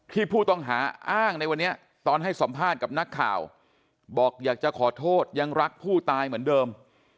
ผู้ต้องหาอ้างในวันนี้ตอนให้สัมภาษณ์กับนักข่าวบอกอยากจะขอโทษยังรักผู้ตายเหมือนเดิม